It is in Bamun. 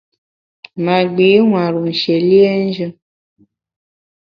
Ma gbi nwar-u nshié liénjù.